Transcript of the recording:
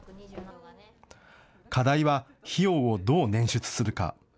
課題は費用をどう捻出するか。